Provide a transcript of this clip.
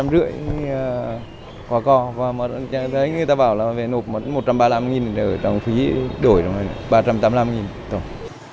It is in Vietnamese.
hai trăm năm mươi đồng có có và người ta bảo là về nộp một trăm ba mươi năm đồng đổi rồi ba trăm tám mươi năm đồng